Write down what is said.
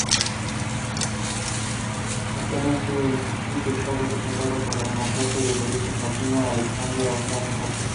Actualmente el distrito está representado por la demócrata de origen latino Alexandria Ocasio-Cortez.